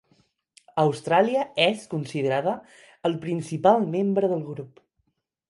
Austràlia és considerada el principal membre del grup.